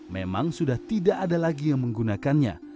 memang sudah tidak ada lagi yang menggunakannya